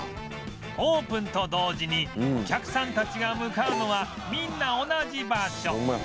オープンと同時にお客さんたちが向かうのはみんな同じ場所ホンマや。